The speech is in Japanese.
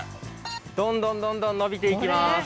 どんどんどんどん伸びていきます。